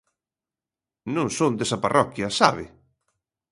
Non son desa parroquia, ¿sabe?